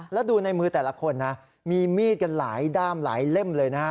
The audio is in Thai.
แล้วดูในมือแต่ละคนนะมีมีดกันหลายด้ามหลายเล่มเลยนะฮะ